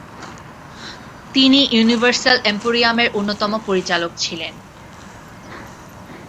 তিনি ইউনিভার্সাল এম্পোরিয়ামের অন্যতম পরিচালক ছিলেন।